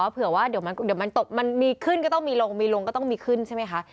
เผื่อว่าเดี๋ยวมันตกมันมีขึ้นก็ต้องมีลงมีลงก็ต้องมีขึ้นใช่ไหมคะ